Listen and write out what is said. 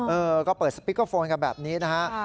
เออก็เปิดสปิกเกอร์โฟนกันแบบนี้นะฮะ